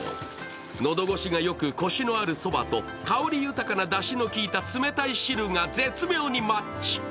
喉越しがよく、コシのあるそばと香り豊かなだしの効いた冷たいしるが絶妙にマッチ。